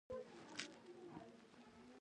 د خښتو بټۍ په هر ولایت کې شته